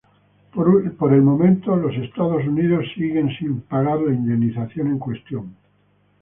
Por el momento, Estados Unidos sigue sin pagar la indemnización en cuestión.